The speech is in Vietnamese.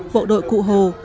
bộ đội cụ hồ